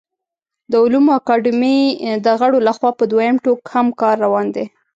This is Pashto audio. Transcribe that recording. د علومو اکاډمۍ د غړو له خوا په دویم ټوک هم کار روان دی